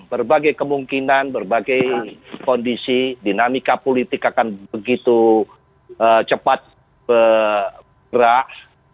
berbagai kemungkinan berbagai kondisi dinamika politik akan begitu cepat bergerak